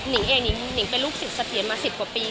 นี่เองนี่เป็นลูกศิษย์สะเตียนมา๑๐กว่าปี